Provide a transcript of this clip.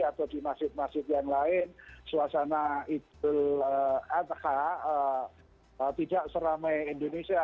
atau di masjid masjid yang lain suasana idul adha tidak seramai indonesia